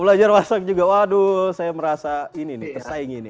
belajar masak juga waduh saya merasa ini nih pesaing ini